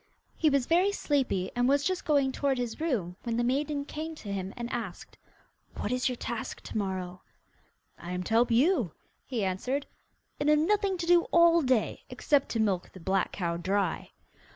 He was very sleepy, and was just going toward his room, when the maiden came to him and asked: 'What is your task to morrow?' 'I am to help you,' he answered, 'and have nothing to do all day, except to milk the black cow dry.